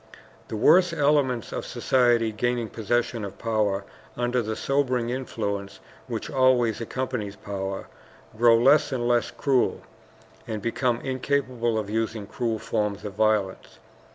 The worse elements of society, gaining possession of power, under the sobering influence which always accompanies power, grow less and less cruel, and become incapable of using cruel forms of violence.